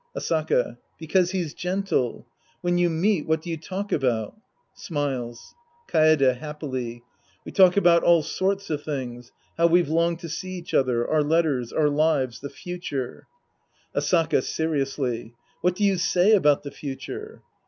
Asaka. Because he's gentle. When you meet, what do you talk about ? {Smiles.) Kaede {happily). We talk about all sorts of things. How we've longed to see each other, our letters, our lives, the future, — Asaka {seriously). What do you say about the future